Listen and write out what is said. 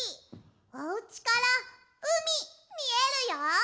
おうちからうみみえるよ！